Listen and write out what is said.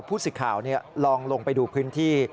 สิทธิ์ข่าวลองลงไปดูพื้นที่